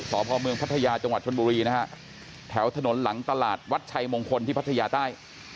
พ่อเมืองพัทยาจังหวัดชนบุรีนะฮะแถวถนนหลังตลาดวัดชัยมงคลที่พัทยาใต้